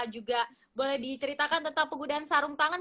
juga boleh diceritakan tentang penggunaan sarung tangan